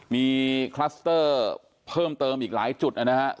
มีคลัสเตอร์เพิ่มเติมอีกหลายจุดนะครับ